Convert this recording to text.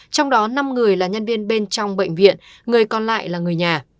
trong đó năm người là nhân viên bên trong bệnh viện người còn lại là người nhà